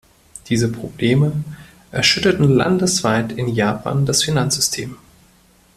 Diese Probleme erschütterten landesweit in Japan das Finanzsystem.